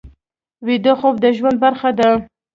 ویده خوب د ژوند برخه ده